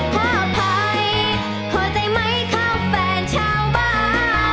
ขออภัยขอใจไม่เข้าแฟนชาวบ้าน